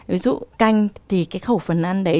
ví dụ canh thì cái khẩu phần ăn đấy